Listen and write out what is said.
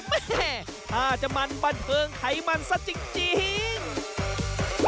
แม่ถ้าจะมันบันเทิงไขมันซะจริง